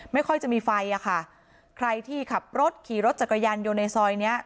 ไม่ค่อยจะมีไฟอ่ะค่ะใครที่ขับรถขี่รถจักรยานยนต์ในซอยเนี้ย